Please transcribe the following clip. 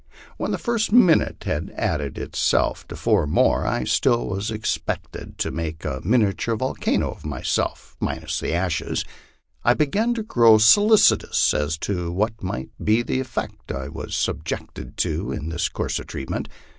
When the first minute had added to itself four more, and still I was expect ed to make a miniature volcano of myself, minus the ashes, I began to grow solicitous as to what might be the effect if I was subjected to this course of treatment.